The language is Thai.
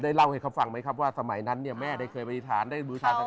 ได้เล่าให้เขาฟังไหมครับว่าสมัยนั้นเนี่ยแม่ได้เคยบริษัทได้บื้อทาน